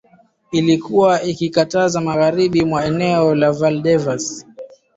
ilikuwa ikikatiza magharibi mwa eneo la val devas